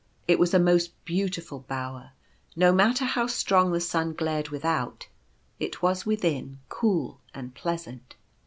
It was a most beautiful bower. No matter how strong the sun glared without, it was within cool and pleasant.